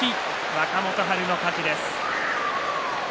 若元春の勝ちです。